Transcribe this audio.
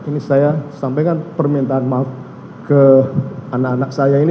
ini saya sampaikan permintaan maaf ke anak anak saya ini